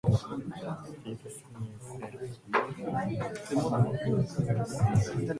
全然ないんだけど